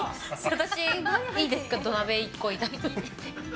私、いいんですか土鍋１個いって。